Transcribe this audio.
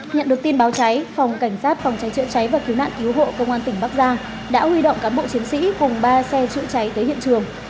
nhận được tin báo cháy phòng cảnh sát phòng cháy chữa cháy và cứu nạn cứu hộ công an tỉnh bắc giang đã huy động cán bộ chiến sĩ cùng ba xe chữa cháy tới hiện trường